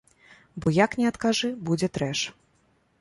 Бо як ні адкажы, будзе трэш.